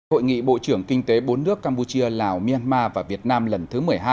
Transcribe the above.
hội nghị bộ trưởng kinh tế bốn nước campuchia lào myanmar và việt nam lần thứ một mươi hai